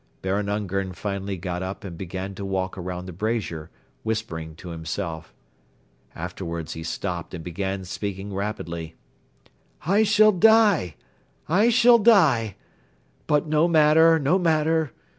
Baron Ungern finally got up and began to walk around the brazier, whispering to himself. Afterwards he stopped and began speaking rapidly: "I shall die! I shall die! ... but no matter, no matter.